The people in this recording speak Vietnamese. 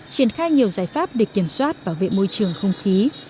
triển khai nhiều giải pháp để kiểm soát bảo vệ môi trường không khí